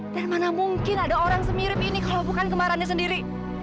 dan mana mungkin ada orang semirip ini kalau bukan kemarahnya sendiri